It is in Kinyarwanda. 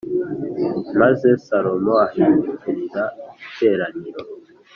Maze salomo ahindukirira iteraniro